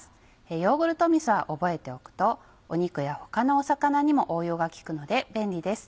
ヨーグルトみそは覚えておくと肉や他の魚にも応用が利くので便利です。